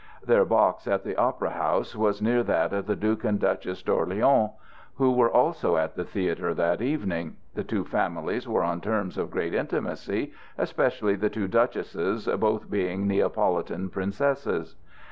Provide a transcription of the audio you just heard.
Their box at the Opera House was near that of the Duc and Duchesse d'Orléans, who were also at the theatre that evening; the two families were on terms of great intimacy, especially the two duchesses, both being Neapolitan princesses.